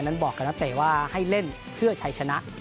บอกกับนักเตะว่าให้เล่นเพื่อชัยชนะ